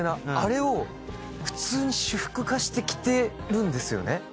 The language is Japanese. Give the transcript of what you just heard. あれを普通に私服化して着てるんですよね。